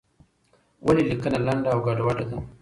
ولې لیکنه لنډه او ګډوډه ده؟